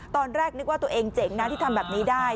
ตอนแรกนึกว่าตัวเองเจ๋งนะที่ทำแบบนี้ได้